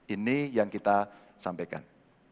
ini yang kita sampaikan